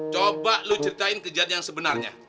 coba lo ceritain kejadian yang sebenarnya